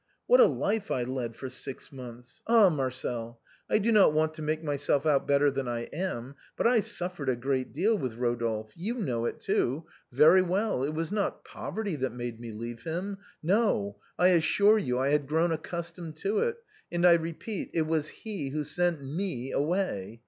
What a life I led for six months. Ah, Marcel ! I do not want to make myself out better than I am, but I suf fered a great deal with Rodolphe; you know it too, very 278 THE BOHEMIANS OF THE LATIN QUARTER. well. It was not poverty that made me leave him, no, I assure you I had grown accustomed to it, and I repeat it was he who sent me away.